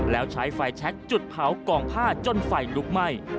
แล้วใช้ไฟแชคจุดเผากองผ้าจนไฟลุกไหม้